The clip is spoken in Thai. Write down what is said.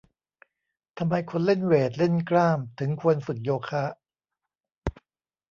ทำไมคนเล่นเวต เล่นกล้าม ถึงควรฝึกโยคะ